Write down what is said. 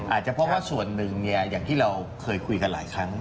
อาจจะเพราะว่าส่วนหนึ่งอย่างที่เราเคยคุยกันหลายครั้ง